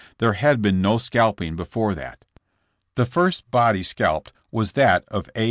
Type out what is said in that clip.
There had been no scalping before that. The first body scalped was that of Ab.